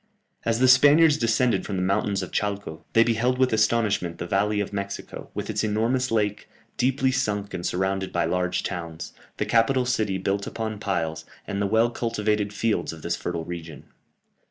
As the Spaniards descended from the mountains of Chalco, they beheld with astonishment the valley of Mexico, with its enormous lake, deeply sunk and surrounded by large towns, the capital city built upon piles, and the well cultivated fields of this fertile region.